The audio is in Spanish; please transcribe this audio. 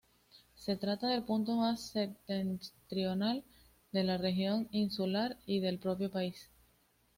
Se trata del punto más septentrional de la región insular y del propio país.